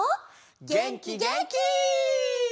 げんきげんき！